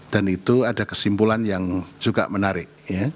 itu ada kesimpulan yang juga menarik